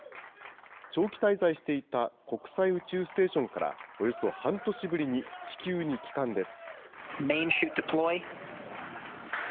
長期滞在していた国際宇宙ステーションから、およそ半年ぶりに地球に帰還です。